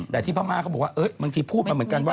แต่ที่พม่าเขาบอกว่าบางทีพูดมาเหมือนกันว่า